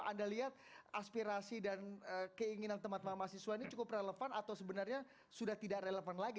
anda lihat aspirasi dan keinginan teman teman mahasiswa ini cukup relevan atau sebenarnya sudah tidak relevan lagi